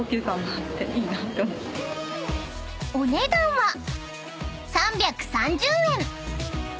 ［お値段は］